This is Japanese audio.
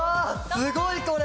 すごいこれ！